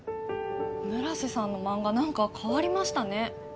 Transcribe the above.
村瀬さんの漫画なんか変わりましたね